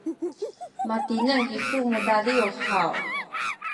matineng kisu mudadiw haw?